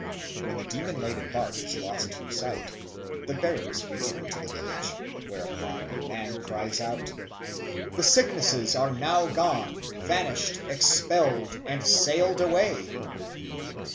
When the demon laden bark is lost to sight, the bearers return to the village, whereupon a man cries out, "The sicknesses are now gone, vanished, expelled, and sailed away."